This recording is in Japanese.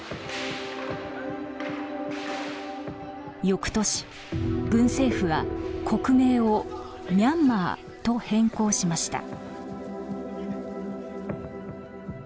翌年軍政府は国名をミャンマーと変更しました。